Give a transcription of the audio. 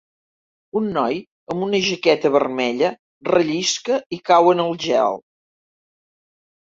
Un noi amb una jaqueta vermella rellisca i cau en el gel.